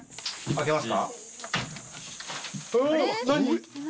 開けますか？